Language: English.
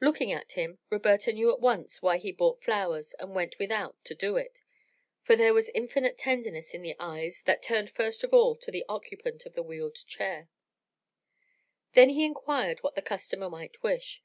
Looking at him, Roberta knew at once why he bought flowers and went without to do it, for there was infinite tenderness in the eyes that turned first of all to the occupant of the wheeled chair. Then he inquired what the customer might wish.